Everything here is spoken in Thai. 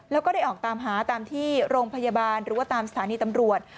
แล้วก็ได้ออกตามหาตามที่โรงพยาบาลหรือว่าตามสถานีตำรวจ